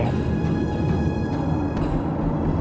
gak ada apa apa